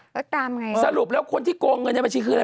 ก็ตามอย่างไรสรุปแล้วคนที่โกงเงินในบัญชีคืออะไร